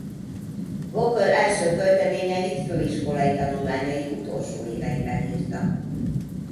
Walker első költeményeit főiskolai tanulmányai utolsó éveiben írta.